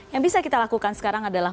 yang bisa kita lakukan sekarang adalah